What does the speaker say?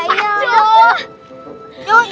kamu yakin sepedanya yang ini